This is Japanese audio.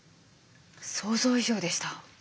想像以上でした。